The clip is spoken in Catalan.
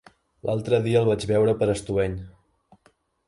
L'altre dia el vaig veure per Estubeny.